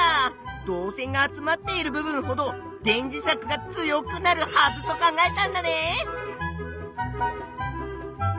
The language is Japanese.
導線が集まっている部分ほど電磁石が強くなるはずと考えたんだね！